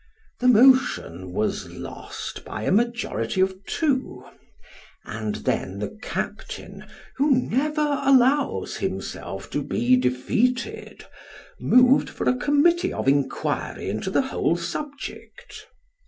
The motion was lost by a majority of two ; and then the captain, who never allows himself to be defeated, moved for a committee of inquiry into the whole subject.